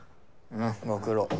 うんご苦労。